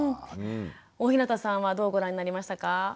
大日向さんはどうご覧になりましたか？